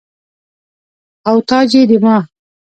او تاج يي ديما